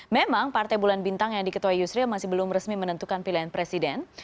memang partai bulan bintang yang diketuai yusril masih belum resmi menentukan pilihan presiden